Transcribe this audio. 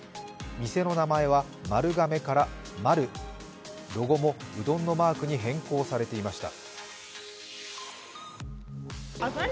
店の名前は「マルガメ」から「マル」ロゴもうどんのマークに変更されていました。